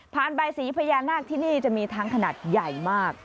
ใบสีพญานาคที่นี่จะมีทั้งขนาดใหญ่มาก